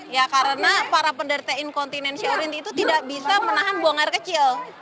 ya karena para penderita incontinentiurenti itu tidak bisa menahan buang air kecil